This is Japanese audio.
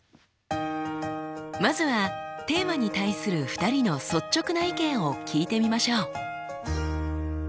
まずはテーマに対する２人の率直な意見を聞いてみましょう。